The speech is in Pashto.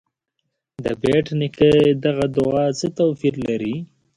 د بېټ نیکه دغه دعا څه توپیر لري.